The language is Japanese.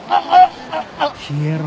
消えろ。